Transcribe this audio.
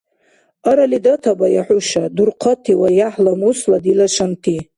Арали датабая хӀуша, дурхъати ва яхӀ-ламусла дила шанти!